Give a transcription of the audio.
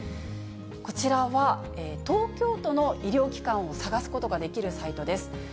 こちらは、東京都の医療機関を探すことができるサイトです。